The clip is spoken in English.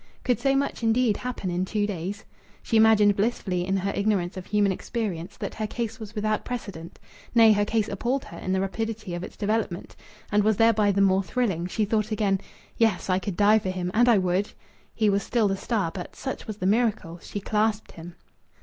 Could so much, indeed, happen in two days? She imagined blissfully, in her ignorance of human experience, that her case was without precedent. Nay, her case appalled her in the rapidity of its development! And was thereby the more thrilling! She thought again: "Yes, I could die for him and I would!" He was still the star, but such was the miracle she clasped him.